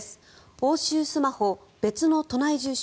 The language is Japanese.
押収スマホ、別の都内住所。